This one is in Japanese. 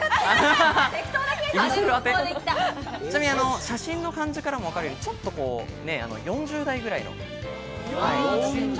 ちなみに写真の感じからも分かるように、ちょっと４０代くらいの。